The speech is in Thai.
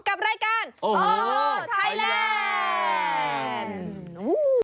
กับรายการโอไทยแลนด์